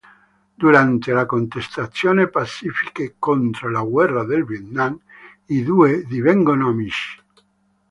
Durante le contestazioni pacifiche contro la guerra del Vietnam i due divengono amici.